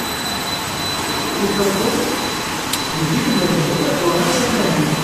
Yufa-ken tettheggim iman-nwen ad truḥem s amahil.